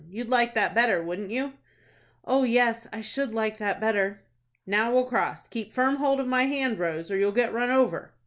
You'd like that better, wouldn't you?" "Oh, yes, I should like that better." "Now we'll cross. Keep firm hold of my hand Rose, or you'll get run over."